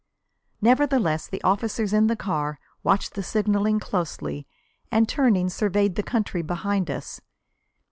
Nevertheless, the officers in the car watched the signalling closely, and turning, surveyed the country behind us.